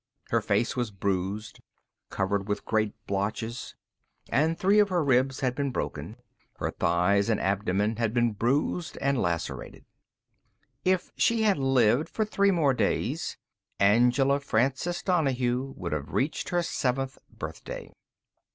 Her face was bruised, covered with great blotches, and three of her ribs had been broken. Her thighs and abdomen had been bruised and lacerated. If she had lived for three more days, Angela Frances Donahue would have reached her seventh birthday.